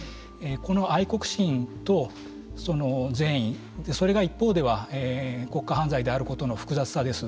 この愛国心とその善意それが一方では国家犯罪であることの複雑さです。